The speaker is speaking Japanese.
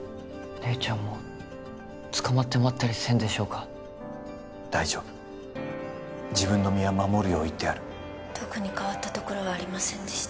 姉ちゃんも捕まってまったりせんでしょうか大丈夫自分の身は守るよう言ってある特に変わったところはありませんでした